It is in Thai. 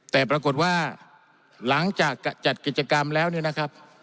แต่ปรากฏว่าหลังจากจัดกิจกรรมแล้วเนี่ยนะครับ